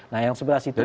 nah yang sebelah situ